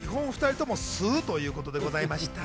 基本、２人とも吸うということでございました。